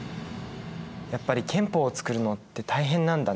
やっぱり憲法を作るのって大変なんだね。